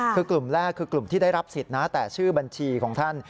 คือกลุ่มแรกคือกลุ่มที่ได้รับสิทธิ์นะแต่ชื่อบัญชีของท่าน